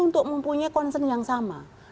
untuk mempunyai concern yang sama